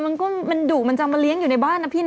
มันก็มันดุมันจะมาเลี้ยงอยู่ในบ้านนะพี่นะ